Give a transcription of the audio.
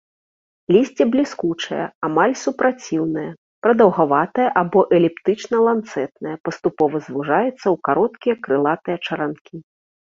Лісце бліскучае, амаль супраціўнае, прадаўгаватае або эліптычна-ланцэтнае, паступова звужаецца ў кароткія крылатыя чаранкі.